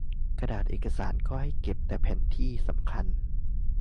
กระดาษเอกสารก็ให้เก็บแต่แผ่นที่สำคัญ